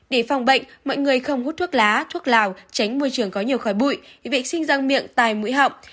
để phòng bệnh mọi người không hút thuốc lá thuốc lào tránh môi trường có nhiều khói bụi vệ sinh răng miệng tai mũi họng